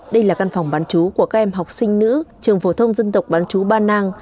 đây là căn phòng bán chú của các em học sinh nữ trường phổ thông dân tộc bán chú ba nang